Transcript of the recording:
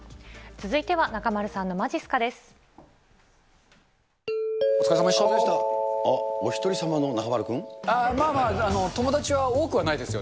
続いては中丸さんのまじっすかです。